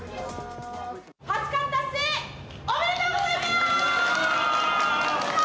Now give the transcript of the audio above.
八冠達成、おめでとうございます！